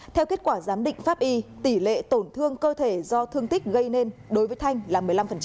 theo kết quả giám định pháp y tỷ lệ tổn thương cơ thể do thương tích gây nên đối với thanh là một mươi năm